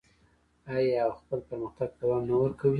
آیا او خپل پرمختګ ته دوام نه ورکوي؟